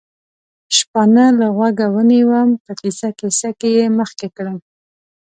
شپانه له غوږه ونیوم، په کیسه کیسه یې مخکې کړم.